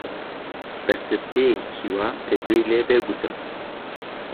بە سرتەیەکی وا کە گوێی لێ بێ گوتم: